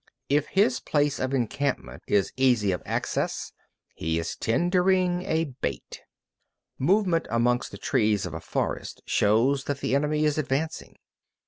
20. If his place of encampment is easy of access, he is tendering a bait. 21. Movement amongst the trees of a forest shows that the enemy is advancing.